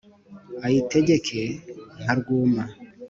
ayitegeke nka rwuma,